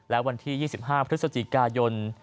และวันที่๒๕พฤศจิกายน